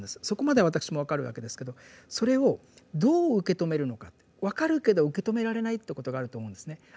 そこまでは私も分かるわけですけどそれをどう受け止めるのか分かるけど受け止められないということがあると思うんですね。